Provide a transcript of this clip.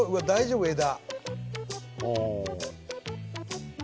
大丈夫？